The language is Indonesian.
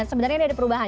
sebenarnya ada perubahan